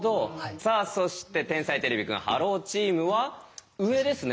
さあそして天才てれびくんｈｅｌｌｏ，チームは上ですね。